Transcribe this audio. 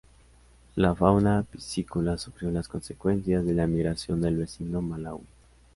La fauna piscícola sufrió las consecuencias de la emigración del vecino Malawi.